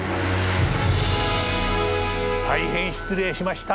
大変失礼しました。